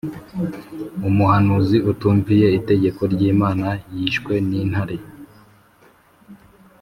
Umuhanuzi utumviye itegeko ry’Imana yishwe n’intare